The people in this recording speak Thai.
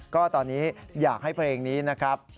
ก็ตอนนี้อยากให้เพลงนี้นะครับ